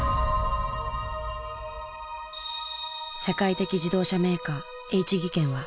世界的自動車メーカーＨ技研は。